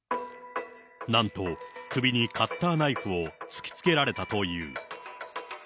なんと首にカッターナイフを突きつけられたという。